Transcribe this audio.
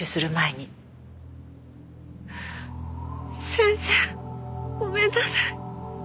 先生ごめんなさい。